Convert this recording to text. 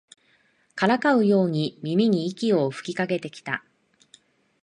からかうように耳に息を吹きかけてきた